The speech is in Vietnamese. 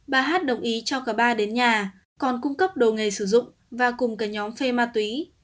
bà hát đồng ý cho cả ba đến nhà còn cung cấp đồ nghề sử dụng và cùng cả nhóm phê ma túy